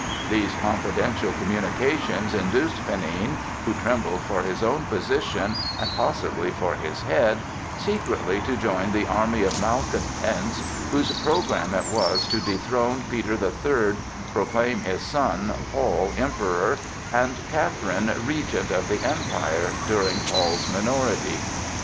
These confidential communications induced Panin, who trembled for his own position and possibly for his head, secretly to join the army of malcontents, whose programme it was to dethrone Peter the Third, proclaim his son, Paul, Emperor, and Catherine Regent of the Empire during Paul's minority.